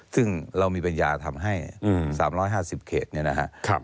ซึ่งเรามีปัญญาทำให้๓๕๐เขตเนี่ยนะครับ